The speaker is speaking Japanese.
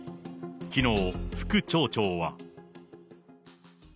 きのう、副町長は。